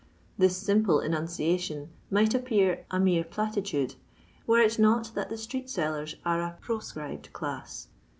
This simple enunciation might appear a mere platitude were it not that the street sellers are a proscribed class.